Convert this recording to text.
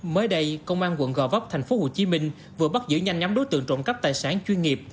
mới đây công an quận gò vấp tp hcm vừa bắt giữ nhanh nhóm đối tượng trộm cắp tài sản chuyên nghiệp